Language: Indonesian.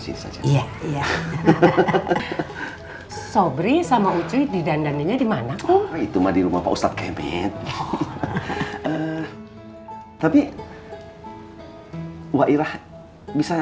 sini saja ya sobri sama ucuy di dandannya dimana itu mah di rumah pak ustadz kemet tapi wa irah bisa